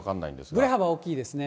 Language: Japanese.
ぶれ幅大きいですね。